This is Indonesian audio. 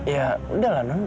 ya udahlah non